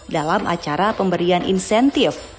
dalam acara pemberian insentif